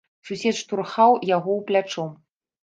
Сусед штурхаў яго ў плячо.